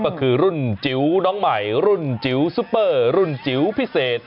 ก็คือรุ่นจิ๋วน้องใหม่รุ่นจิ๋วซุปเปอร์รุ่นจิ๋วพิเศษ